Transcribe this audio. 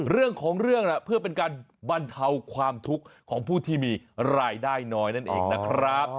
เรื่องของเรื่องเพื่อเป็นการบรรเทาความทุกข์ของผู้ที่มีรายได้น้อยนั่นเองนะครับ